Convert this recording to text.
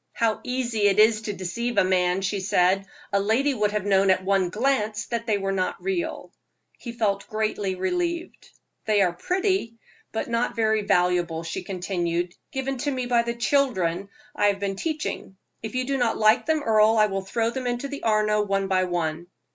"How easy it is to deceive a man," she said; "a lady would have known at one glance that they were not real." He felt greatly relieved. "They are pretty, but not very valuable," she continued "given to me by the children I have been teaching. If you do not like them, Earle, I will throw them into the Arno one by one."